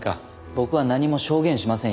僕は何も証言しませんよ。